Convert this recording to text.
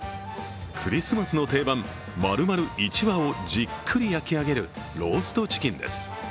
クリスマスの定番、丸々１羽をじっくり焼き上げるローストチキンです。